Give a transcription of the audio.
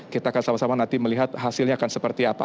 kita akan sama sama nanti melihat hasilnya akan seperti apa